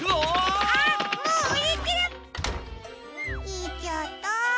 いっちゃった。